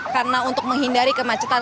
karena untuk menghindari kemacetan